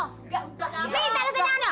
minta pertanyaan dong